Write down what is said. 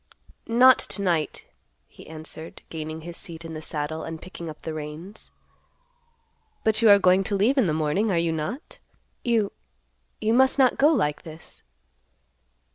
"Not to night," he answered, gaining his seat in the saddle, and picking up the reins. "But you are going to leave in the morning, are you not? You—you must not go like this."